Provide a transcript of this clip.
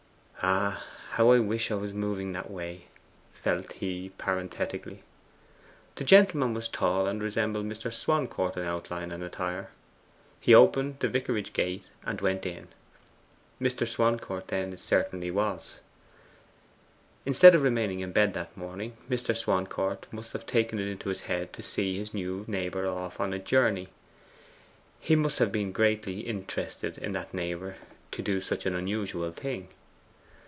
'Ah, how much I wish I were moving that way!' felt he parenthetically. The gentleman was tall, and resembled Mr. Swancourt in outline and attire. He opened the vicarage gate and went in. Mr. Swancourt, then, it certainly was. Instead of remaining in bed that morning Mr. Swancourt must have taken it into his head to see his new neighbour off on a journey. He must have been greatly interested in that neighbour to do such an unusual thing.